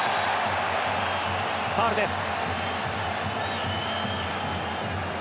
ファウルです。